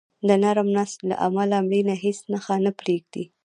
د نرم نسج له امله مړینه هیڅ نښه نه پرېږدي.